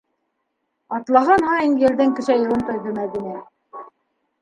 Атлаған һайын елдең көсәйеүен тойҙо Мәҙинә.